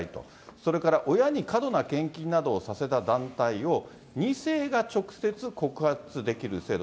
それから親に過度な献金をさせた団体を、２世が直接告発できる制度。